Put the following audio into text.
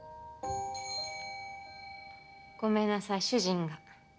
・ごめんなさい主人が。